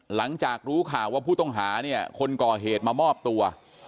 หลังจากรู้ข่าวว่าผู้ต้องหาเนี่ยคนก่อเหตุมามอบตัว